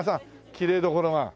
きれいどころが。